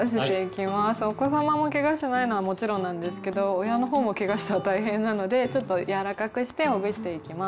お子様もけがしないのはもちろんなんですけど親の方もけがしたら大変なのでちょっと柔らかくしてほぐしていきます。